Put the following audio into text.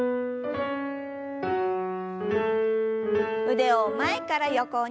腕を前から横に。